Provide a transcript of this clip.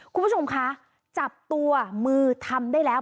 คุณผู้ชมคะจับตัวมือทำได้แล้ว